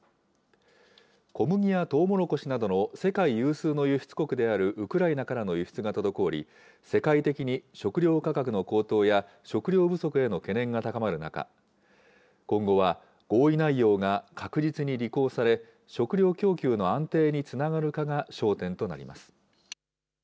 小麦やトウモロコシなどの世界有数の輸出国であるウクライナからの輸出が滞り、世界的に食料価格の高騰や、食料不足への懸念が高まる中、今後は合意内容が確実に履行され、食料供給の安定につながるかが焦点となります。